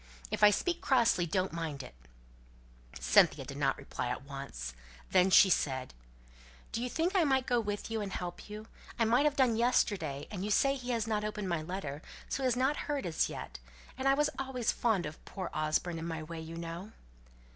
If I speak crossly, don't mind it." Cynthia did not reply at once. Then she said, "Do you think I might go with you, and help you? I might have done yesterday; and you say he hasn't opened my letter, so he has not heard as yet. And I was always fond of poor Osborne, in my way, you know."